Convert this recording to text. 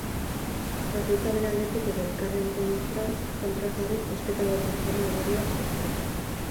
Bakoitza bere aldetik edo elkarren kontran kontrajarriz ustekabeko forma berriak sortzeko.